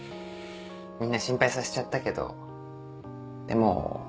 みんな心配させちゃったけどでも